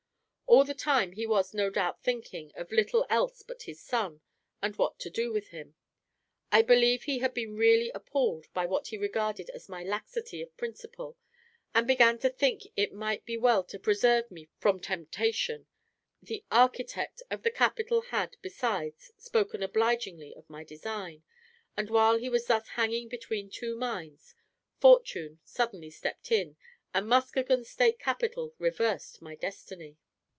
All the time he was no doubt thinking of little else but his son, and what to do with him. I believe he had been really appalled by what he regarded as my laxity of principle, and began to think it might be well to preserve me from temptation; the architect of the capitol had, besides, spoken obligingly of my design; and while he was thus hanging between two minds, Fortune suddenly stepped in, and Muskegon State capitol reversed my destiny.